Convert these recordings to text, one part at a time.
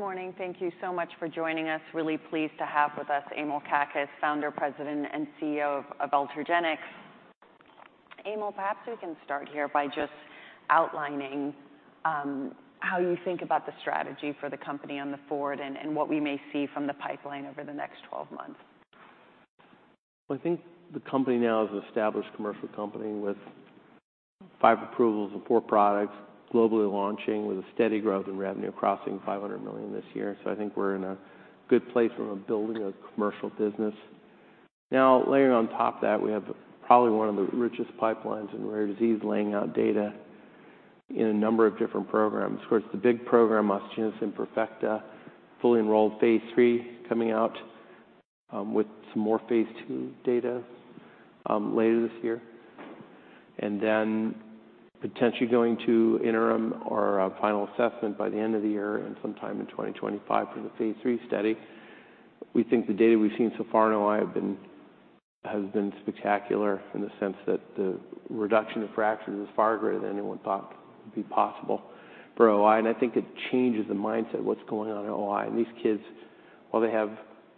Good morning. Thank you so much for joining us. Really pleased to have with us Emil Kakkis, Founder, President, and CEO of Ultragenyx. Emil, perhaps we can start here by just outlining how you think about the strategy for the company going forward and what we may see from the pipeline over the next 12 months. Well, I think the company now is an established commercial company with five approvals and four products globally, launching with a steady growth in revenue, crossing $500 million this year. So I think we're in a good place from building a commercial business. Now, layering on top of that, we have probably one of the richest pipelines in rare disease, laying out data in a number of different programs. Of course, the big program, Orbit and Cosmic, fully enrolled phase III, coming out with some more phase II data later this year. And then potentially going to interim or final assessment by the end of the year and sometime in 2025 for the phase III study. We think the data we've seen so far in OI has been spectacular in the sense that the reduction of fractions is far greater than anyone thought it would be possible for OI. I think it changes the mindset of what's going on in OI. These kids, while they have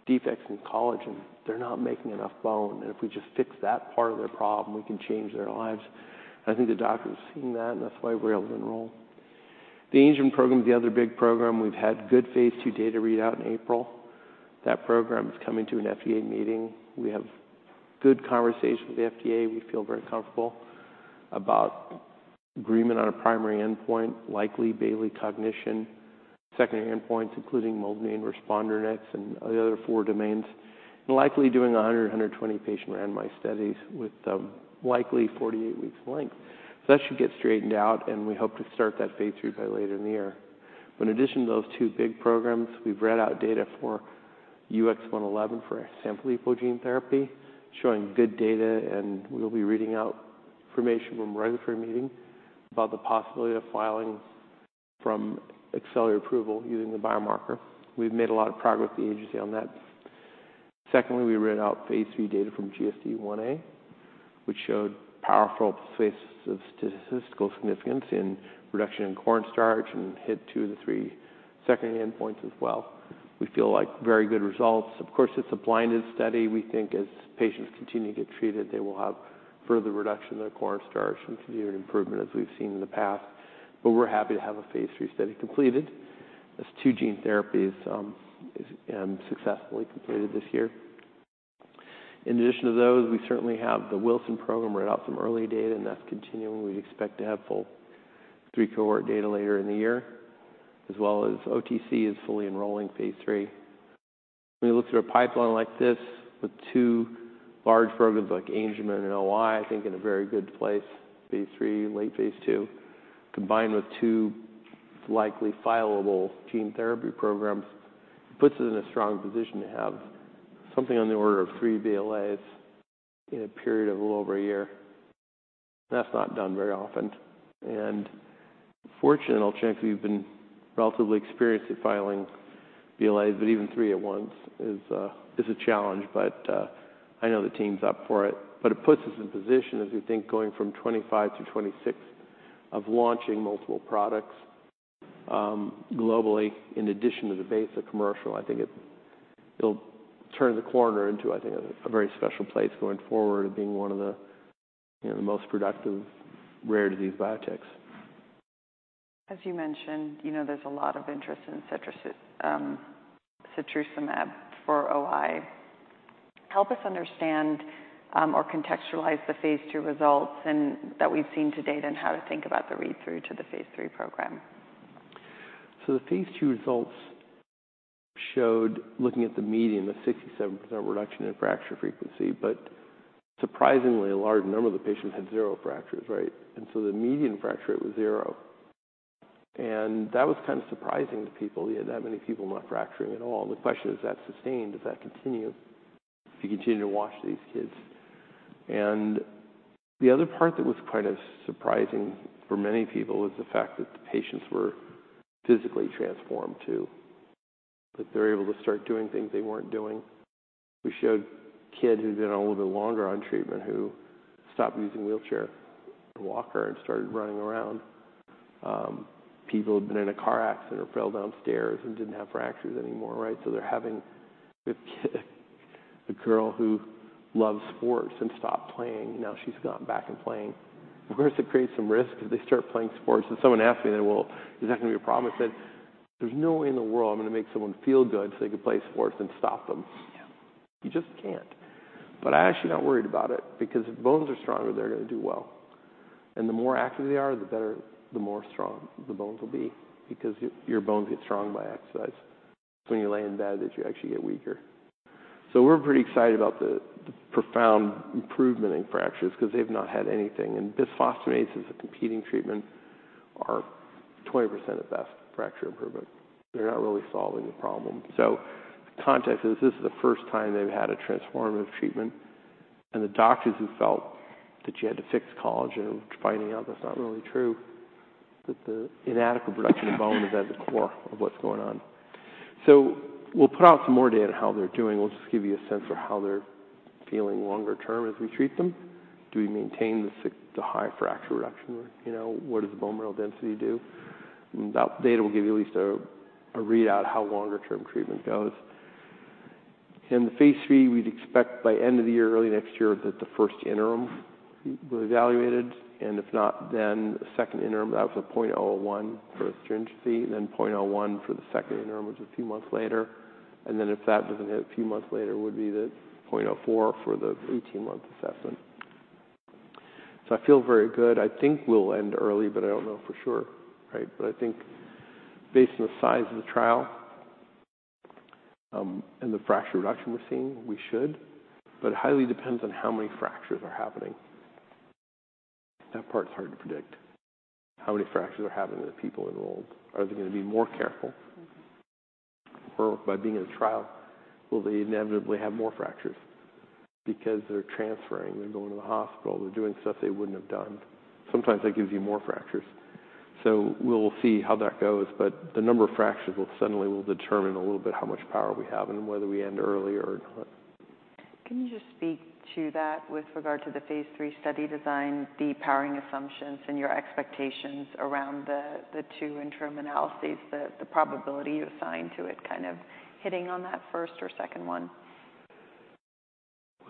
defects in collagen, they're not making enough bone. If we just fix that part of their problem, we can change their lives. I think the doctors have seen that, and that's why we're able to enroll. The Angelman program is the other big program. We've had good phase II data read out in April. That program is coming to an FDA meeting. We have good conversation with the FDA. We feel very comfortable about agreement on a primary endpoint, likely Bayley cognition, secondary endpoints, including Multi-Domain Responder Index and the other four domains, and likely doing a 120-patient randomized study with likely 48 weeks length. So that should get straightened out, and we hope to start that phase III by later in the year. But in addition to those two big programs, we've read out data for UX111 for Sanfilippo gene therapy, showing good data, and we'll be reading out information from regulatory meeting about the possibility of filing for accelerated approval using the biomarker. We've made a lot of progress with the agency on that. Secondly, we read out phase III data from GSDIa, which showed p-values of statistical significance in reduction in cornstarch and hit two of the three secondary endpoints as well. We feel like very good results. Of course, it's a blinded study. We think as patients continue to get treated, they will have further reduction in their cornstarch and continued improvement, as we've seen in the past. But we're happy to have a phase III study completed. That's two gene therapies, and successfully completed this year. In addition to those, we certainly have the Wilson program, read out some early data, and that's continuing. We expect to have full three-cohort data later in the year, as well as OTC is fully enrolling phase III. When you look through a pipeline like this with two large programs like Angelman and OI, I think in a very good place, phase III, late phase II, combined with two likely fileable gene therapy programs, puts us in a strong position to have something on the order of three BLAs in a period of a little over a year. That's not done very often, and fortunately, in Ultragenyx, we've been relatively experienced at filing BLAs, but even three at once is a challenge, but I know the team's up for it. But it puts us in position, as we think, going from 2025 to 2026, of launching multiple products, globally, in addition to the basic commercial. I think it'll turn the corner into, I think, a very special place going forward and being one of the, you know, most productive rare disease biotechs. As you mentioned, you know, there's a lot of interest in setrusumab for OI. Help us understand or contextualize the phase II results and that we've seen to date and how to think about the read-through to the phase III program? So the phase II results showed, looking at the median, a 67% reduction in fracture frequency, but surprisingly, a large number of the patients had zero fractures, right? And so the median fracture rate was zero. And that was kind of surprising to people, you had that many people not fracturing at all. The question is that sustained, does that continue as you continue to watch these kids? And the other part that was quite as surprising for many people was the fact that the patients were physically transformed, too, that they're able to start doing things they weren't doing. We showed a kid who'd been a little bit longer on treatment, who stopped using wheelchair and walker and started running around. People who'd been in a car accident or fell downstairs and didn't have fractures anymore, right? So they're having a girl who loves sports and stopped playing, and now she's gotten back and playing. Of course, it creates some risk if they start playing sports. And someone asked me, "Well, is that going to be a problem?" I said, "There's no way in the world I'm going to make someone feel good so they can play sports and stop them. Yeah. You just can't. But I'm actually not worried about it because if bones are stronger, they're going to do well. And the more active they are, the better, the more strong the bones will be because your, your bones get strong by exercise. When you lay in bed, that you actually get weaker. So we're pretty excited about the profound improvement in fractures because they've not had anything. And bisphosphonates is a competing treatment, are 20% at best, fracture improvement. They're not really solving the problem. So context is, this is the first time they've had a transformative treatment, and the doctors who felt that you had to fix collagen are finding out that's not really true, that the inadequate production of bone is at the core of what's going on. So we'll put out some more data on how they're doing. We'll just give you a sense of how they're doing feeling longer term as we treat them? Do we maintain the high fracture reduction rate? You know, what does the bone mineral density do? And that data will give you at least a readout how longer-term treatment goes. In the phase III, we'd expect by end of the year, early next year, that the first interim will be evaluated, and if not, then a second interim. That was a 0.01 for stringency, and then 0.01 for the second interim, which is a few months later. And then if that doesn't hit a few months later, would be the 0.04 for the 18-month assessment. So I feel very good. I think we'll end early, but I don't know for sure, right? But I think based on the size of the trial, and the fracture reduction we're seeing, we should. It highly depends on how many fractures are happening. That part's hard to predict. How many fractures are happening to the people enrolled? Are they going to be more careful? Mm-hmm. Or by being in a trial, will they inevitably have more fractures because they're transferring, they're going to the hospital, they're doing stuff they wouldn't have done? Sometimes that gives you more fractures. So we'll see how that goes, but the number of fractures will suddenly will determine a little bit how much power we have and whether we end early or not. Can you just speak to that with regard to the phase III study design, the powering assumptions, and your expectations around the two interim analyses, the probability you assigned to it, kind of hitting on that first or second one?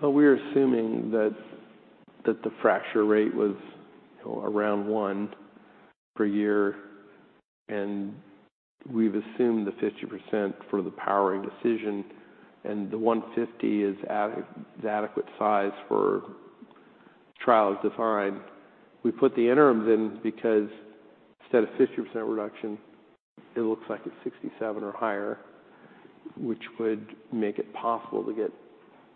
Well, we're assuming that the fracture rate was, you know, around 1 per year, and we've assumed the 50% for the powering decision, and the 150 is adequate size for trial as defined. We put the interims in because instead of 50% reduction, it looks like it's 67 or higher, which would make it possible to get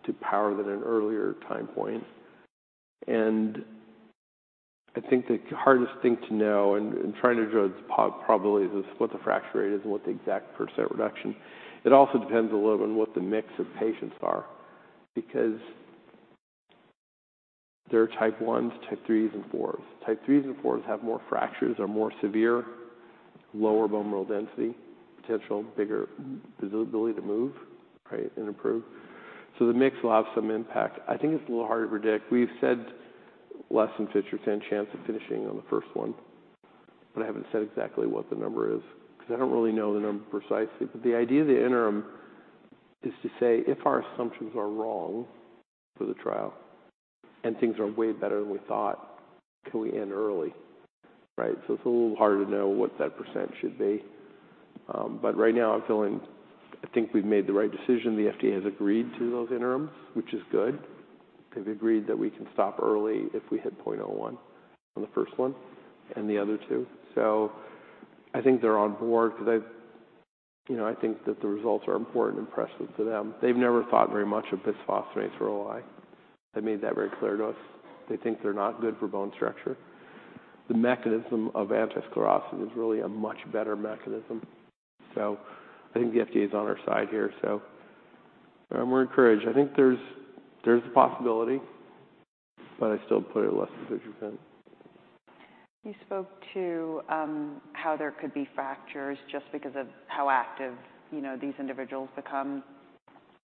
to power than an earlier time point. And I think the hardest thing to know and trying to judge probabilities is what the fracture rate is and what the exact percent reduction. It also depends a little on what the mix of patients are, because there are Type I's, Type III's, and IV's. Type III's and IV's have more fractures, are more severe, lower bone mineral density, potentially bigger ability to move, right, and improve. So the mix will have some impact. I think it's a little hard to predict. We've said less than 50% chance of finishing on the first one, but I haven't said exactly what the number is, because I don't really know the number precisely. But the idea of the interim is to say if our assumptions are wrong for the trial and things are way better than we thought, can we end early, right? So it's a little harder to know what that percent should be. But right now I'm feeling I think we've made the right decision. The FDA has agreed to those interims, which is good. They've agreed that we can stop early if we hit 0.01 on the first one and the other two. So I think they're on board because I, you know, I think that the results are important and impressive to them. They've never thought very much of bisphosphonates for OI. They made that very clear to us. They think they're not good for bone structure. The mechanism of anti-sclerostin is really a much better mechanism. So I think the FDA is on our side here, so, we're encouraged. I think there's a possibility, but I still put it at less than 50%. You spoke to, how there could be fractures just because of how active, you know, these individuals become.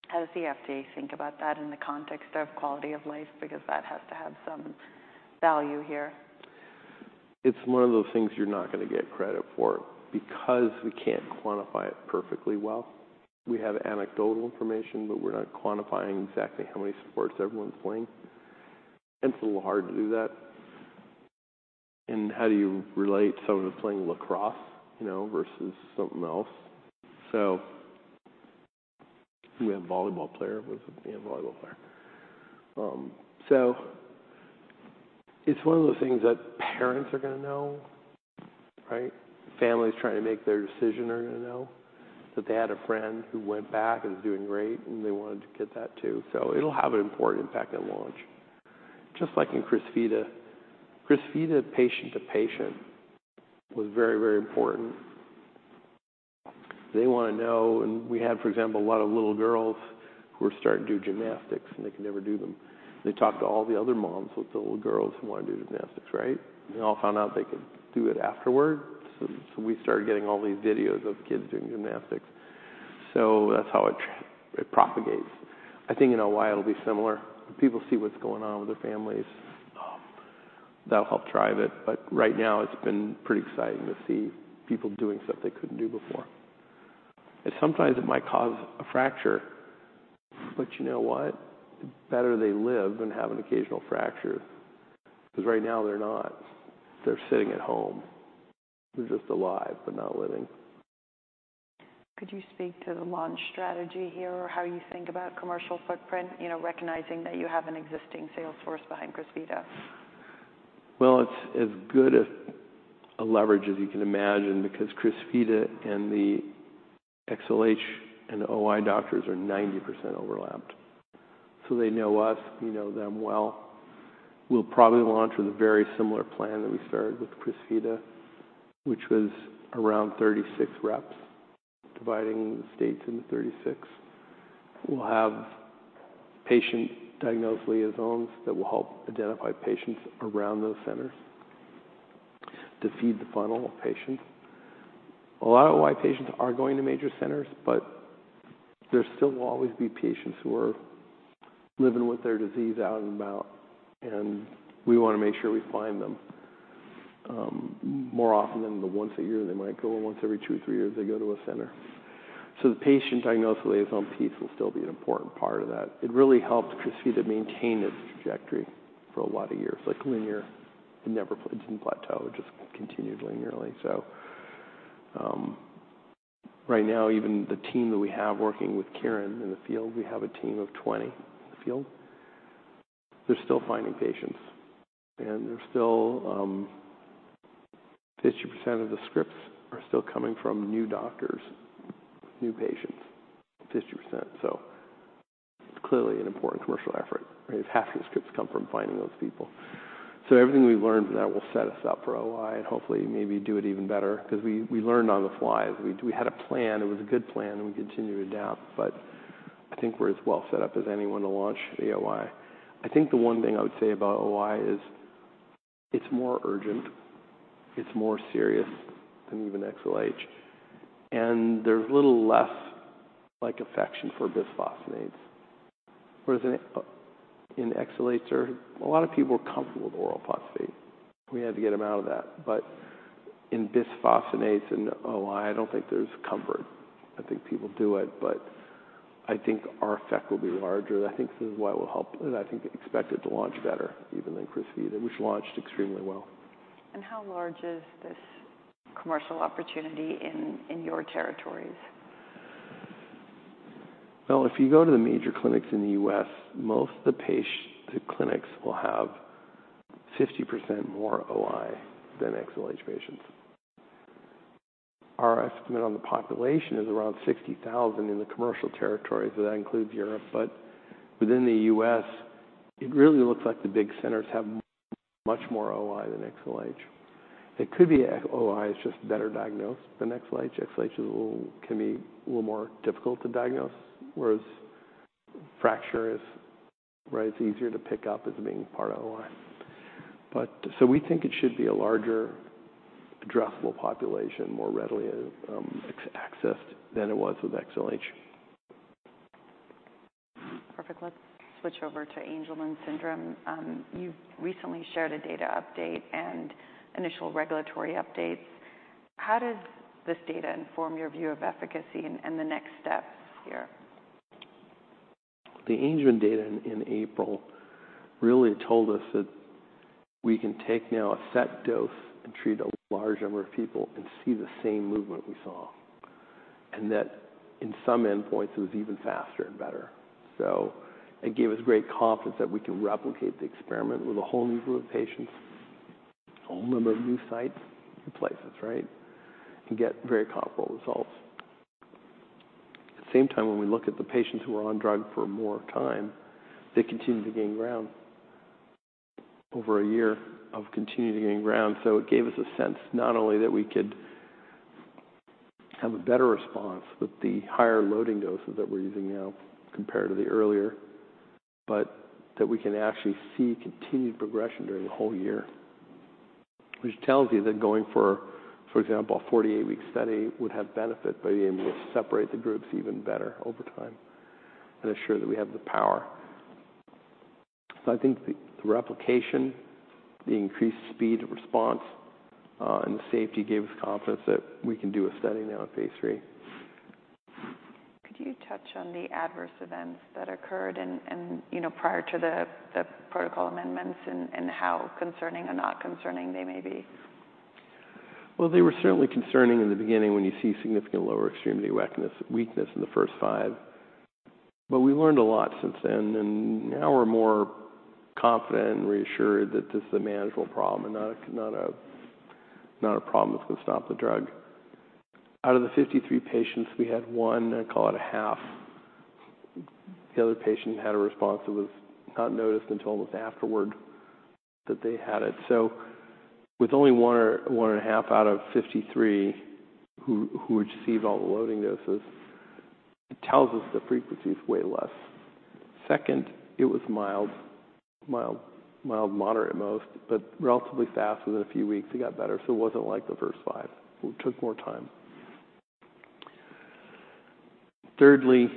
How does the FDA think about that in the context of quality of life? Because that has to have some value here. It's one of those things you're not going to get credit for because we can't quantify it perfectly well. We have anecdotal information, but we're not quantifying exactly how many sports everyone's playing. It's a little hard to do that. And how do you relate someone who's playing lacrosse, you know, versus something else? So we have a volleyball player. We have a volleyball player. So it's one of those things that parents are gonna know, right? Families trying to make their decision are gonna know, that they had a friend who went back and is doing great, and they wanted to get that, too. So it'll have an important impact at launch. Just like in Crysvita. Crysvita, patient to patient, was very, very important. They want to know, and we had, for example, a lot of little girls who were starting to do gymnastics, and they could never do them. They talked to all the other moms with the little girls who want to do gymnastics, right? They all found out they could do it afterward. So, so we started getting all these videos of kids doing gymnastics. So that's how it propagates. I think in OI it'll be similar. People see what's going on with their families, that'll help drive it, but right now it's been pretty exciting to see people doing stuff they couldn't do before. And sometimes it might cause a fracture, but you know what? The better they live than have an occasional fracture, 'cause right now they're not. They're sitting at home. They're just alive, but not living. Could you speak to the launch strategy here, or how you think about commercial footprint? You know, recognizing that you have an existing sales force behind Crysvita. Well, it's as good a leverage as you can imagine, because Crysvita and the XLH and OI doctors are 90% overlapped. So they know us, we know them well. We'll probably launch with a very similar plan that we started with Crysvita, which was around 36 reps, dividing the states into 36. We'll have patient diagnosis liaisons that will help identify patients around those centers to feed the funnel of patients. A lot of OI patients are going to major centers, but there still will always be patients who are living with their disease out and about, and we want to make sure we find them more often than the once a year they might go, or once every two or three years they go to a center. So the patient diagnosis liaison piece will still be an important part of that. It really helped Crysvita to maintain its trajectory for a lot of years. Like, linear, it never didn't plateau; it just continued linearly. So, right now, even the team that we have working with Kieran in the field, we have a team of 20 in the field. They're still finding patients, and they're still, 50% of the scripts are still coming from new doctors, new patients, 50%. So it's clearly an important commercial effort, right? If half the scripts come from finding those people. So everything we've learned from that will set us up for OI and hopefully maybe do it even better because we learned on the fly. We had a plan, it was a good plan, and we continued to adapt, but I think we're as well set up as anyone to launch the OI. I think the one thing I would say about OI is it's more urgent, it's more serious than even XLH, and there's a little less, like, affection for bisphosphonates. Whereas in XLH, there are a lot of people were comfortable with oral phosphate. We had to get them out of that. But in bisphosphonates and OI, I don't think there's comfort. I think people do it, but I think our effect will be larger. I think this is why we'll help, and I think expect it to launch better, even than Crysvita, which launched extremely well. How large is this commercial opportunity in, in your territories? Well, if you go to the major clinics in the U.S., most of the clinics will have 50% more OI than XLH patients. Our estimate on the population is around 60,000 in the commercial territory, so that includes Europe, but within the U.S., it really looks like the big centers have much more OI than XLH. It could be OI is just better diagnosed than XLH. XLH is a little, can be a little more difficult to diagnose, whereas fracture is, right, it's easier to pick up as being part of the OI. But so we think it should be a larger addressable population, more readily accessed than it was with XLH. Perfect. Let's switch over to Angelman syndrome. You've recently shared a data update and initial regulatory updates. How does this data inform your view of efficacy and the next steps here? The Angelman data in April really told us that we can take now a set dose and treat a large number of people and see the same movement we saw, and that in some endpoints, it was even faster and better. So it gave us great confidence that we can replicate the experiment with a whole new group of patients, a whole number of new sites and places, right? And get very comfortable results. At the same time, when we look at the patients who are on drug for more time, they continue to gain ground. Over a year of continuing to gain ground. So it gave us a sense not only that we could have a better response with the higher loading doses that we're using now compared to the earlier, but that we can actually see continued progression during the whole year, which tells you that going for, for example, a 48-week study, would have benefit by being able to separate the groups even better over time and ensure that we have the power. So I think the replication, the increased speed of response, and the safety gave us confidence that we can do a study now at phase III. Could you touch on the adverse events that occurred and, you know, prior to the protocol amendments and how concerning or not concerning they may be? Well, they were certainly concerning in the beginning when you see significant lower extremity weakness, weakness in the first five. But we learned a lot since then, and now we're more confident and reassured that this is a manageable problem and not a, not a, not a problem that's going to stop the drug. Out of the 53 patients, we had one, I call it a half. The other patient had a response that was not noticed until almost afterward that they had it. So with only one or one and a half out of 53 who received all the loading doses, it tells us the frequency is way less. Second, it was mild, mild, mild, moderate at most, but relatively fast. Within a few weeks, it got better, so it wasn't like the first five. It took more time. Thirdly,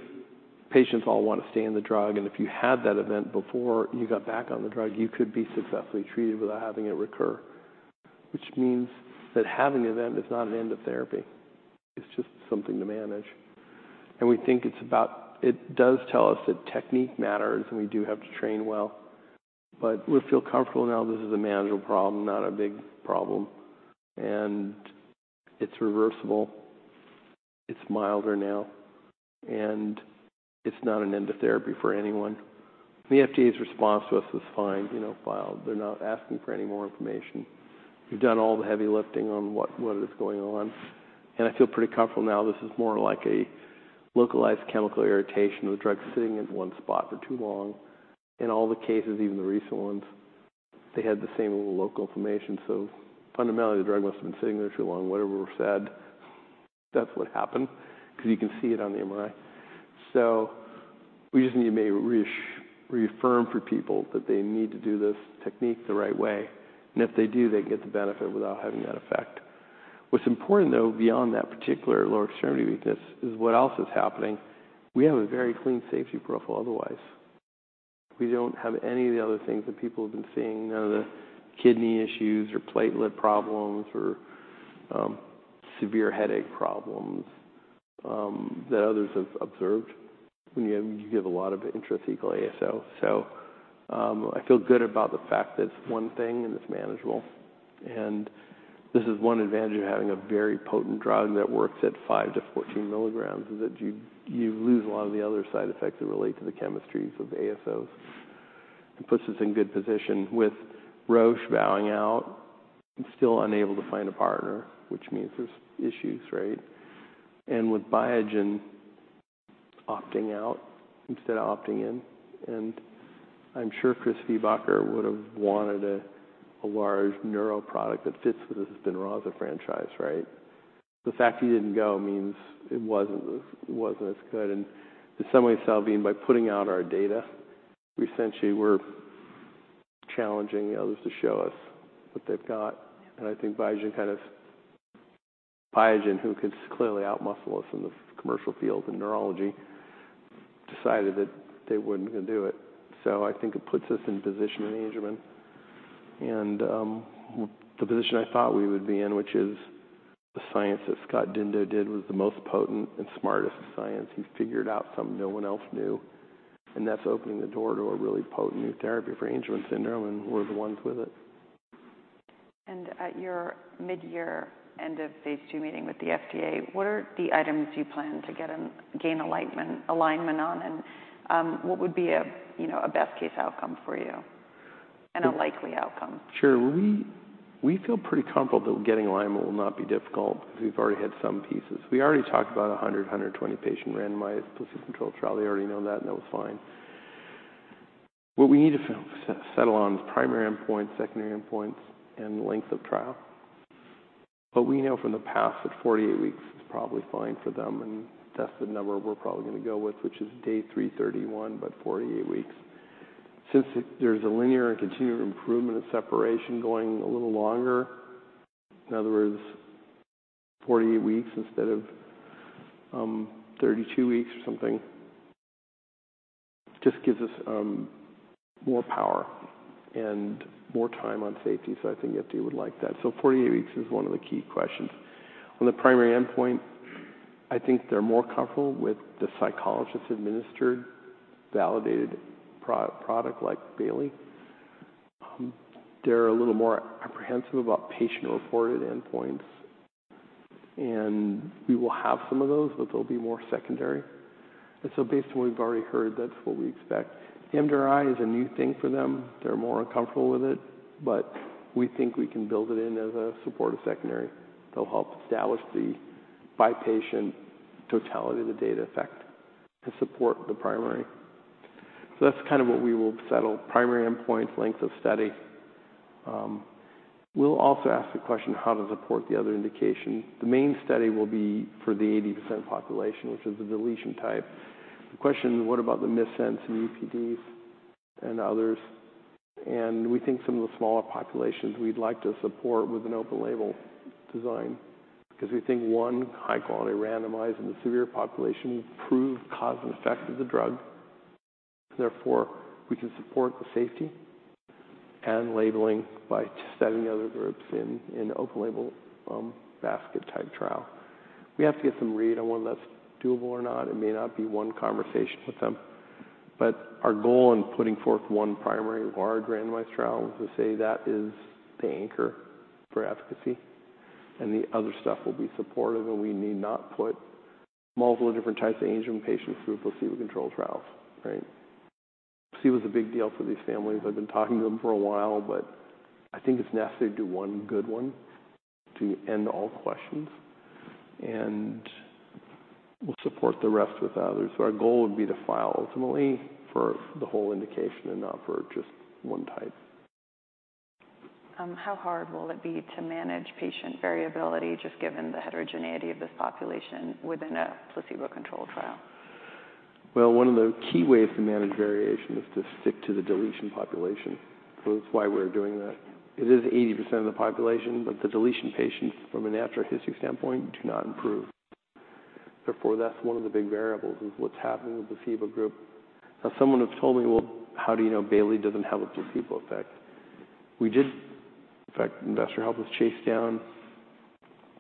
patients all want to stay on the drug, and if you had that event before you got back on the drug, you could be successfully treated without having it recur, which means that having an event is not an end of therapy. It's just something to manage. We think it's about... It does tell us that technique matters, and we do have to train well, but we feel comfortable now. This is a manageable problem, not a big problem. It's reversible, it's milder now, and it's not an end of therapy for anyone. The FDA's response to us was fine. You know, filed. They're not asking for any more information. We've done all the heavy lifting on what, what is going on, and I feel pretty comfortable now. This is more like a localized chemical irritation of the drug sitting in one spot for too long. In all the cases, even the recent ones, they had the same local inflammation. So fundamentally, the drug must have been sitting there too long. Whatever we said... That's what happened, 'cause you can see it on the MRI. So we just need to reaffirm for people that they need to do this technique the right way, and if they do, they get the benefit without having that effect. What's important, though, beyond that particular lower extremity weakness, is what else is happening. We have a very clean safety profile otherwise. We don't have any of the other things that people have been seeing, none of the kidney issues or platelet problems or severe headache problems that others have observed when you give a lot of intrathecal ASO. So, I feel good about the fact that it's one thing and it's manageable. This is one advantage of having a very potent drug that works at 5 mg-14 mg, is that you, you lose a lot of the other side effects that relate to the chemistries of the ASOs and puts us in good position. With Roche bowing out and still unable to find a partner, which means there's issues, right? With Biogen opting out instead of opting in, and I'm sure Chris Viehbacher would have wanted a, a large neural product that fits with the Spinraza franchise, right? The fact he didn't go means it wasn't as, it wasn't as good, and in some ways, Salveen, by putting out our data, we essentially were challenging others to show us what they've got. I think Biogen kind of, Biogen, who could clearly outmuscle us in the commercial field in neurology, decided that they wouldn't do it. So I think it puts us in position in Angelman and, the position I thought we would be in, which is the science that Scott Dindot did, was the most potent and smartest of science. He's figured out something no one else knew, and that's opening the door to a really potent new therapy for Angelman syndrome, and we're the ones with it. At your midyear end of phase II meeting with the FDA, what are the items you plan to gain alignment on, and what would be a, you know, a best case outcome for you and a likely outcome? Sure. We feel pretty comfortable that getting alignment will not be difficult because we've already had some pieces. We already talked about a 120-patient randomized placebo-controlled trial. They already know that, and that was fine. What we need to settle on is primary endpoints, secondary endpoints, and length of trial. But we know from the past that 48 weeks is probably fine for them, and that's the number we're probably gonna go with, which is day 331, but 48 weeks. Since there's a linear and continued improvement in separation going a little longer, in other words, 48 weeks instead of 32 weeks or something, just gives us more power and more time on safety. So I think FDA would like that. So 48 weeks is one of the key questions. On the primary endpoint, I think they're more comfortable with the psychologist-administered, validated product like Bayley. They're a little more apprehensive about patient-reported endpoints, and we will have some of those, but they'll be more secondary. And so based on what we've already heard, that's what we expect. MDRI is a new thing for them. They're more uncomfortable with it, but we think we can build it in as a supportive secondary. They'll help establish the by-patient totality of the data effect to support the primary. So that's kind of what we will settle: primary endpoint, length of study. We'll also ask the question, how to support the other indication. The main study will be for the 80% population, which is the deletion type. The question: What about the missense and UPDs and others? We think some of the smaller populations, we'd like to support with an open-label design because we think one high-quality randomized in the severe population will prove cause and effect of the drug. Therefore, we can support the safety and labeling by just studying the other groups in open-label basket-type trial. We have to get some read on whether that's doable or not. It may not be one conversation with them, but our goal in putting forth one primary, large randomized trial is to say that is the anchor for efficacy, and the other stuff will be supportive, and we need not put multiple different types of Angelman patients through placebo-controlled trials, right? See, it was a big deal for these families. I've been talking to them for a while, but I think it's necessary to do one good one to end all questions, and we'll support the rest with others. So our goal would be to file ultimately for the whole indication and not for just one type. How hard will it be to manage patient variability, just given the heterogeneity of this population within a placebo-controlled trial? Well, one of the key ways to manage variation is to stick to the deletion population. So that's why we're doing that. It is 80% of the population, but the deletion patients, from a natural history standpoint, do not improve. Therefore, that's one of the big variables, is what's happening with the placebo group. Now, someone has told me: Well, how do you know Bayley doesn't have a placebo effect? We did. In fact, Investor helped us chase down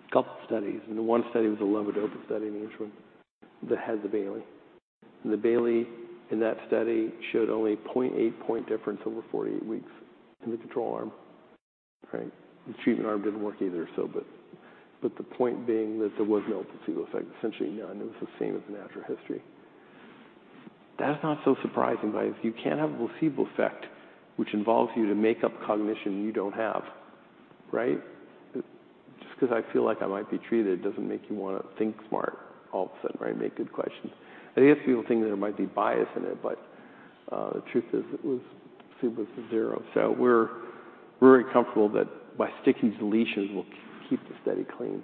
a couple studies, and the one study was a levodopa study in Angelman that had the Bayley. And the Bayley, in that study, showed only a 0.8 point difference over 48 weeks in the control arm. Right? The treatment arm didn't work either, so the point being that there was no placebo effect, essentially none. It was the same as natural history. That's not so surprising, but if you can't have a placebo effect, which involves you to make up cognition you don't have, right? Just 'cause I feel like I might be treated doesn't make you wanna think smart all of a sudden, right, make good questions. I guess people think there might be bias in it, but the truth is, it was, it was a zero. So we're, we're very comfortable that by sticking to deletions, we'll keep the study clean.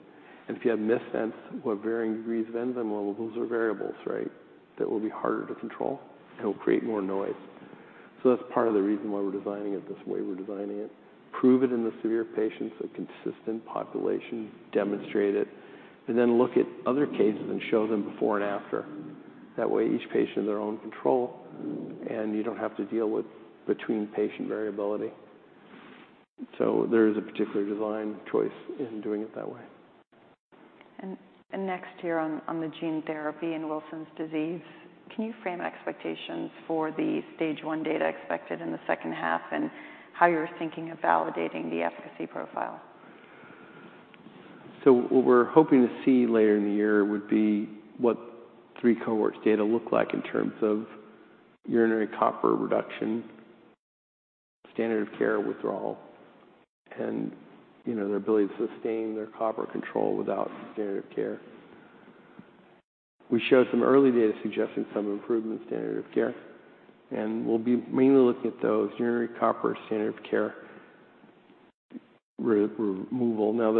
And if you have missense or varying degrees of enzyme levels, those are variables, right? That will be harder to control, and it'll create more noise. So that's part of the reason why we're designing it this way. We're designing it, prove it in the severe patients, a consistent population, demonstrate it, and then look at other cases and show them before and after. That way, each patient is their own control, and you don't have to deal with between-patient variability. So there is a particular design choice in doing it that way. Next, here on the gene therapy in Wilson disease, can you frame expectations for the Stage 1 data expected in the second half and how you're thinking of validating the efficacy profile? So what we're hoping to see later in the year would be what three cohorts data look like in terms of urinary copper reduction, standard of care withdrawal, and, you know, their ability to sustain their copper control without standard of care. We showed some early data suggesting some improvement in standard of care, and we'll be mainly looking at those urinary copper, standard of care removal. Now,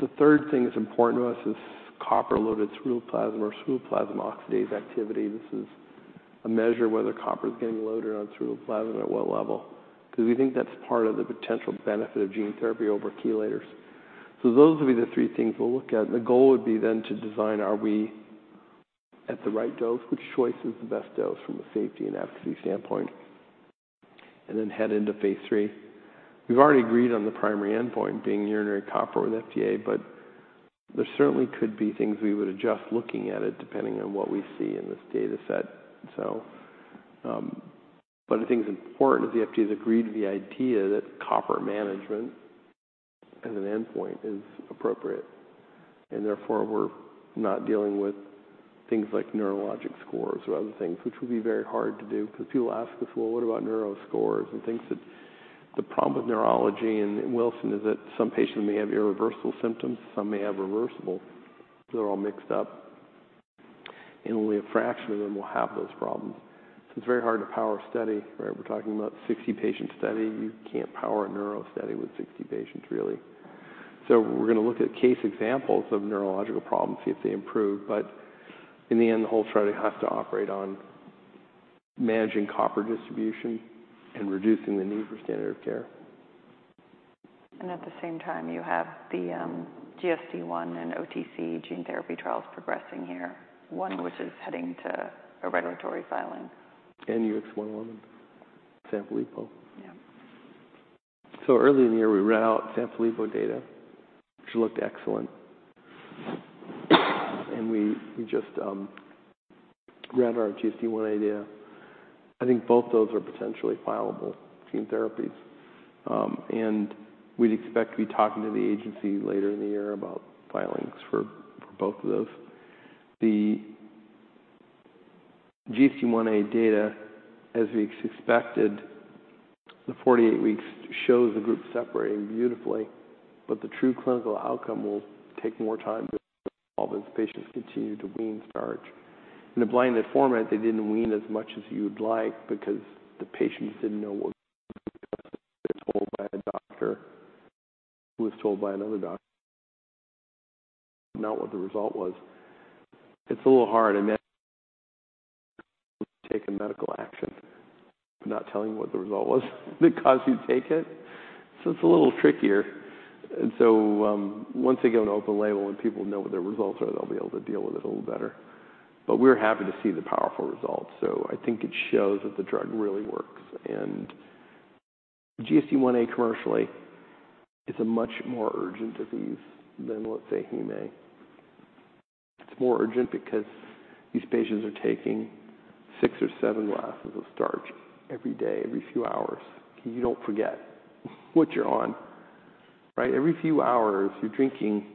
the third thing that's important to us is copper-loaded ceruloplasmin or ceruloplasmin oxidase activity. This is a measure of whether copper is getting loaded on ceruloplasmin at what level, because we think that's part of the potential benefit of gene therapy over chelators. So those will be the three things we'll look at. The goal would be then to design. Are we at the right dose? Which choice is the best dose from a safety and efficacy standpoint? Then head into phase III. We've already agreed on the primary endpoint being urinary copper with FDA, but there certainly could be things we would adjust looking at it, depending on what we see in this data set. So, but the thing that's important is the FDA has agreed to the idea that copper management as an endpoint is appropriate, and therefore, we're not dealing with things like neurologic scores or other things, which would be very hard to do because people ask us, "Well, what about neuro scores and things?" That... The problem with neurology in Wilson is that some patients may have irreversible symptoms, some may have reversible, so they're all mixed up, and only a fraction of them will have those problems. So it's very hard to power a study, right? We're talking about a 60-patient study. You can't power a neuro study with 60 patients, really. So we're gonna look at case examples of neurological problems, see if they improve. But in the end, the whole study has to operate on managing copper distribution and reducing the need for standard of care. At the same time, you have the GSDI and OTC gene therapy trials progressing here, one which is heading to a regulatory filing. And UX111 on Sanfilippo. Yeah. So earlier in the year, we ran out Sanfilippo data, which looked excellent. And we just ran our GSDIa. I think both those are potentially filable gene therapies, and we'd expect to be talking to the agency later in the year about filings for both of those. The GSDIa data, as we expected, the 48 weeks, shows the group separating beautifully, but the true clinical outcome will take more time to involve as patients continue to wean starch. In a blinded format, they didn't wean as much as you'd like because the patients didn't know they were told by a doctor, who was told by another doctor, not what the result was. It's a little hard. I mean, taking medical action, but not telling you what the result was because you take it. So it's a little trickier. Once they go to open label and people know what their results are, they'll be able to deal with it a little better. But we're happy to see the powerful results, so I think it shows that the drug really works. And GSDIa, commercially, is a much more urgent disease than, let's say, Heme. It's more urgent because these patients are taking six or seven glasses of starch every day, every few hours. You don't forget what you're on, right? Every few hours, you're drinking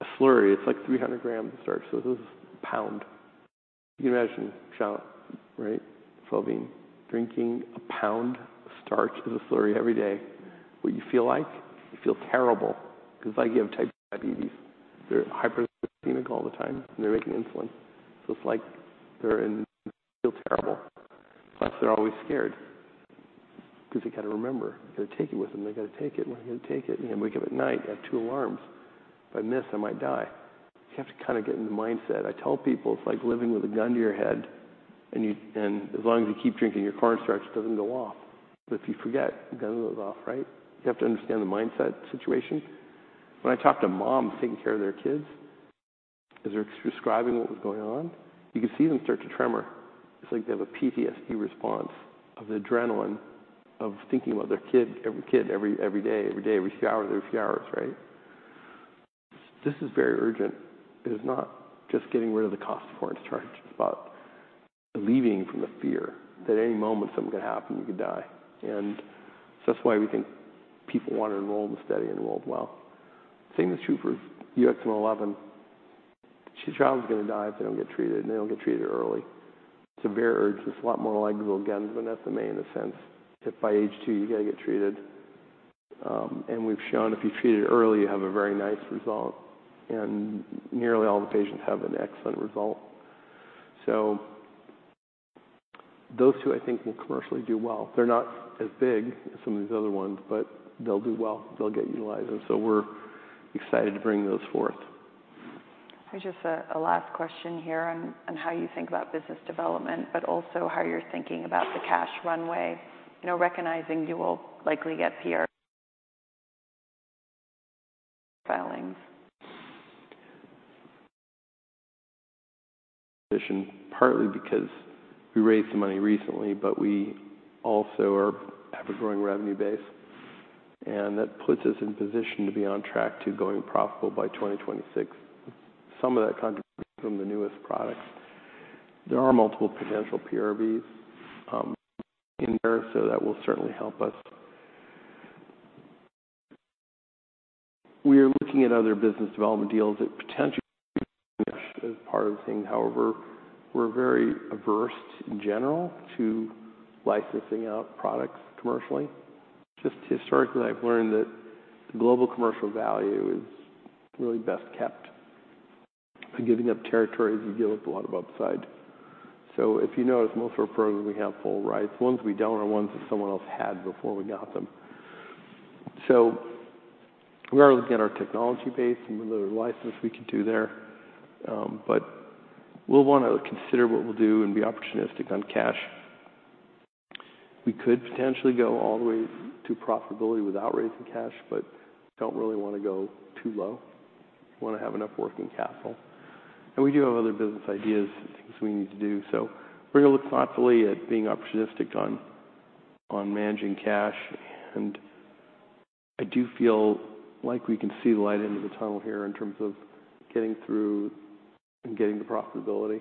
a slurry. It's like 300 g of starch, so this is a pound. You can imagine, [Charlotte], right? Someone, drinking a pound of starch as a slurry every day. What you feel like? You feel terrible because like you have Type 2 diabetes, they're hyperglycemic all the time, and they're making insulin. So it's like they're in... feel terrible. Plus, they're always scared because they got to remember, they gotta take it with them. They gotta take it, when they gotta take it, and wake up at night, got two alarms. "If I miss, I might die." You have to kind of get in the mindset. I tell people it's like living with a gun to your head, and you and as long as you keep drinking your cornstarch, it doesn't go off. But if you forget, the gun goes off, right? You have to understand the mindset situation. When I talk to moms taking care of their kids, as they're describing what was going on, you could see them start to tremor. It's like they have a PTSD response of the adrenaline, of thinking about their kid, every kid, every, every day, every day, every few hours, every few hours, right? This is very urgent. It is not just getting rid of the cost of cornstarch, it's about relieving from the fear that any moment something could happen, you could die. And so that's why we think people want to enroll in the study and enrolled well. Same is true for UX111. The child is gonna die if they don't get treated, and they don't get treated early. It's a very urgent... It's a lot more like little guns than SMA in a sense, if by age two, you gotta get treated.... And we've shown if you treat it early, you have a very nice result, and nearly all the patients have an excellent result. So those two, I think, will commercially do well. They're not as big as some of these other ones, but they'll do well. They'll get utilized, and so we're excited to bring those forth. Just a last question here on how you think about business development, but also how you're thinking about the cash runway, you know, recognizing you will likely get PR filings. Partly because we raised the money recently, but we also have a growing revenue base, and that puts us in position to be on track to going profitable by 2026. Some of that contributes from the newest products. There are multiple potential PRVs in there, so that will certainly help us. We are looking at other business development deals that potentially as part of the thing. However, we're very averse in general to licensing out products commercially. Just historically, I've learned that the global commercial value is really best kept. In giving up territories, you give up a lot of upside. So if you notice, most of our programs, we have full rights. Ones we don't are ones that someone else had before we got them. So we are looking at our technology base and the license we can do there, but we'll want to consider what we'll do and be opportunistic on cash. We could potentially go all the way to profitability without raising cash, but don't really want to go too low. We want to have enough working capital. And we do have other business ideas and things we need to do, so we're going to look thoughtfully at being opportunistic on managing cash. And I do feel like we can see the light end of the tunnel here in terms of getting through and getting to profitability.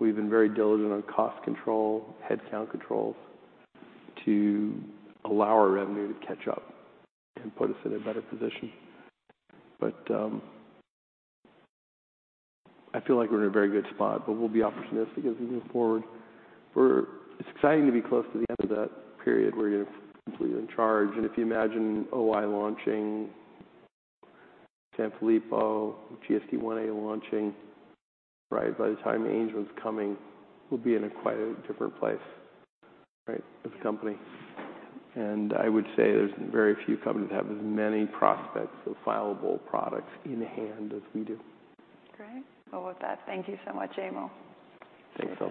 We've been very diligent on cost control, headcount controls, to allow our revenue to catch up and put us in a better position. But I feel like we're in a very good spot, but we'll be opportunistic as we move forward. It's exciting to be close to the end of that period where you're completely in charge, and if you imagine OI launching Sanfilippo, GSDIa launching, right? By the time the Angelman's coming, we'll be in a quite a different place, right, as a company. And I would say there's very few companies that have as many prospects of fileable products in hand as we do. Great. Well, with that, thank you so much, Emil. Thanks a lot.